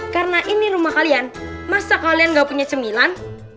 karena ini rumah kalian masa kalian gak punya cemilan